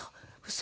嘘？